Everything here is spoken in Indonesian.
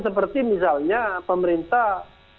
seperti misalnya pemerintah